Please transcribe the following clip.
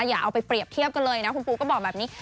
อย่าเอาไปเปรียบเทียบกันเลยนะคุณปูก็บอกแบบนี้